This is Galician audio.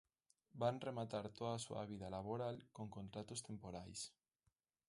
Van rematar toda a súa vida laboral con contratos temporais.